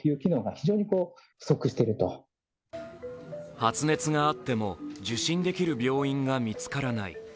発熱があっても受診できる病院が見つからない。